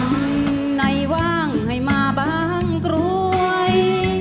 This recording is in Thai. คนไหนว่างให้มาบางกรวย